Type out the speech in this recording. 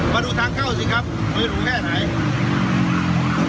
มาดูทางเข้าสิครับมือถูกแค่ไหน